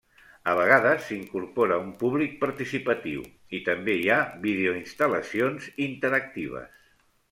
A vegades, s'incorpora un públic participatiu, i també hi ha videoinstal·lacions interactives.